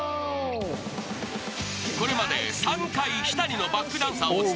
［これまで］